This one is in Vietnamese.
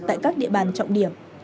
tại các địa bàn trọng điểm